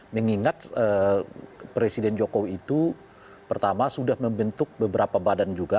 mengingat presiden jokowi itu pertama sudah membentuk beberapa badan juga